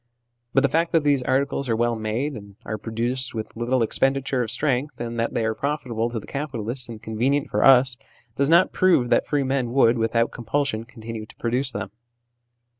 But the fact that these articles are well made, and are produced with little expenditure of strength, that they are profitable to the capitalists and convenient for us, does not prove that free men would, without compulsion, continue to produce them.